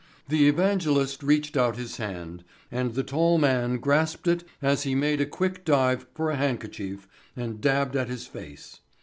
The evangelist reached out his hand and the tall man grasped it as he made a quick dive for a handkerchief and dabbed at his face.